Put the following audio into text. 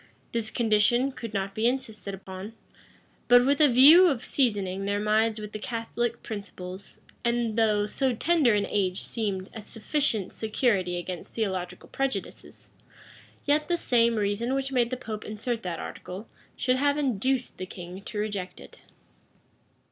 This condition could not be insisted on, but with a view of seasoning their minds with Catholic principles; and though so tender an age seemed a sufficient security against theological prejudices, yet the same reason which made the pope insert that article, should have induced the king to reject it.